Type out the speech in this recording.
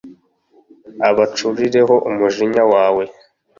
ubacurireho umujinya wawe